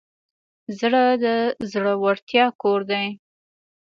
زړه د زړورتیا کور دی.